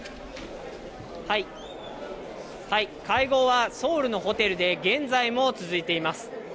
会合は、ソウルのホテルで現在も続いています。